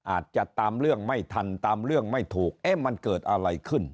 อาจจะตามเรื่องไม่ทันตามเรื่องไม่ถูกเอ๊ะมันเกิดอะไรขึ้น